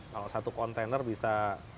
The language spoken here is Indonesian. kalau satu container bisa